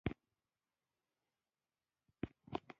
ازادي راډیو د بهرنۍ اړیکې لپاره د چارواکو دریځ خپور کړی.